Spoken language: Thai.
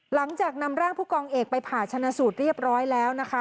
หลังจากนำร่างผู้กองเอกไปผ่าชนะสูตรเรียบร้อยแล้วนะคะ